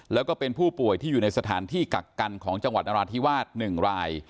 แล้วก็เป็นผู้ป่วยที่อยู่ในสถานที่กักกันของจังหวัดนราธิวาส๑ราย